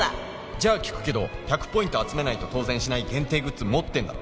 「じゃ聞くけど１００ポイント集めないと当選しない限定グッズ持ってんだろ」